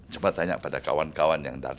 coba tanya pada kawan kawan yang datang